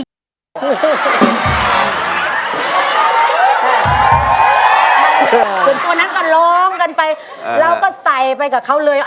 ส่วนตัวนั้นก็ร้องกันไปเราก็ใส่ไปกับเขาเลย